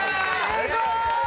すごーい！